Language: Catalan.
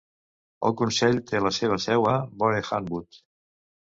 El consell té la seva seu a Borehamwood.